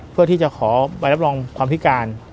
เพื่อที่จะขอใบรับรองความพิการ